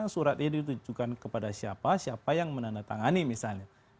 surat ini ditujukan kepada siapa siapa yang menandatangani misalnya